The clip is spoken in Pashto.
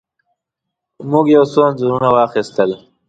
موږ یو څو انځورونه واخیستل.